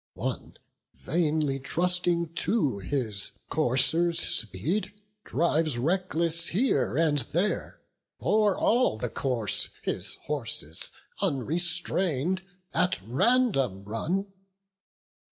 One, vainly trusting to his coursers' speed, Drives reckless here and there; o'er all the course, His horses, unrestrain'd, at random run.